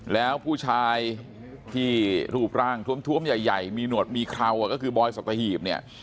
แล้วผู้ชายที่รูปร่างทวมใหญ่มีหนวดมีเคราก็คือบอยสัตหีบเนี่ย